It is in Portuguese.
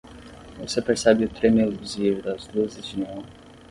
Você percebe o tremeluzir das luzes de néon?